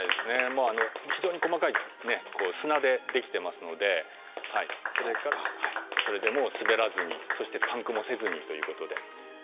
非常に細かい砂でできてますのでそれでもう滑らずにそしてパンクもせずにということで。